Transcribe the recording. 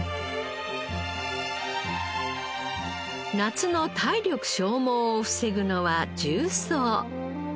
夏の体力消耗を防ぐのは重曹。